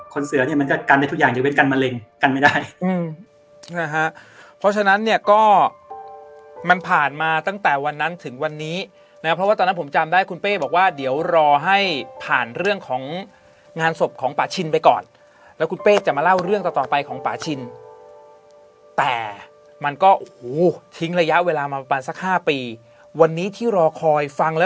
เสือเนี่ยมันจะกันได้ทุกอย่างจะเป็นกันมะเร็งกันไม่ได้นะฮะเพราะฉะนั้นเนี่ยก็มันผ่านมาตั้งแต่วันนั้นถึงวันนี้นะเพราะว่าตอนนั้นผมจำได้คุณเป้บอกว่าเดี๋ยวรอให้ผ่านเรื่องของงานศพของป่าชินไปก่อนแล้วคุณเป้จะมาเล่าเรื่องต่อต่อไปของป่าชินแต่มันก็โอ้โหทิ้งระยะเวลามาประมาณสัก๕ปีวันนี้ที่รอคอยฟังแล้ว